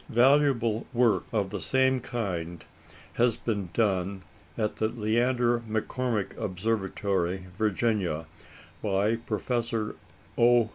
Valuable work of the same kind has been done at the Leander McCormick Observatory, Virginia, by Professor O.